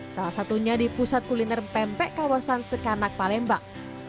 salah satunya di pusat kuliner pempek kawasan sekanak palembang